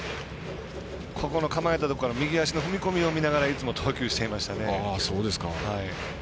構えたところの右足の踏み込みを見ながらいつも投球していましたね。